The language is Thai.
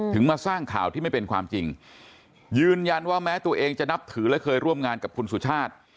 มาสร้างข่าวที่ไม่เป็นความจริงยืนยันว่าแม้ตัวเองจะนับถือและเคยร่วมงานกับคุณสุชาติ